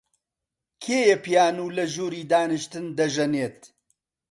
کێیە پیانۆ لە ژووری دانیشتن دەژەنێت؟